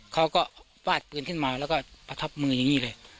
เขาก็ฟาดปืนขึ้นมาแล้วก็ประทับมืออย่างนี้เลย